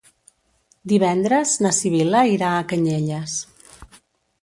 Divendres na Sibil·la irà a Canyelles.